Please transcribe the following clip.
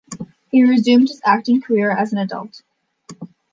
He resumed his acting career as an adult.